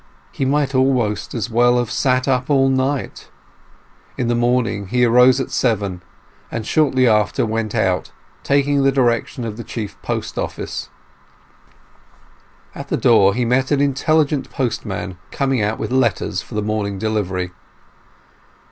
He might almost as well have sat up all night. In the morning he arose at seven, and shortly after went out, taking the direction of the chief post office. At the door he met an intelligent postman coming out with letters for the morning delivery.